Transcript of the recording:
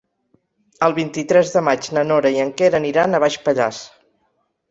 El vint-i-tres de maig na Nora i en Quer aniran a Baix Pallars.